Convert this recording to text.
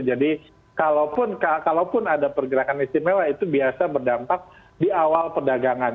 kalaupun ada pergerakan istimewa itu biasa berdampak di awal perdagangan